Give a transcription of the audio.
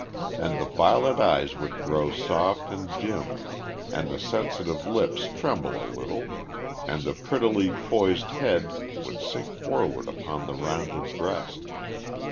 And the violet eyes would grow soft and dim, and the sensitive lips tremble a little, and the prettily poised head would sink forward upon the rounded breast.